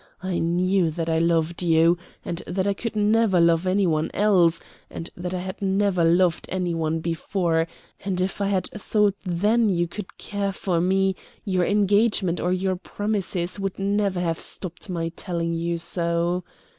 I knew that I loved you, and that I could never love any one else, and that I had never loved any one before; and if I had thought then you could care for me, your engagement or your promises would never have stopped my telling you so.